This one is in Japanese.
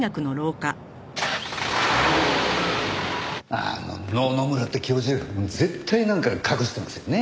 あの野々村って教授絶対なんか隠してますよね。